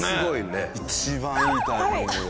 一番いいタイミングで。